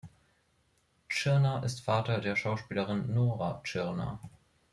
Tschirner ist Vater der Schauspielerin Nora Tschirner.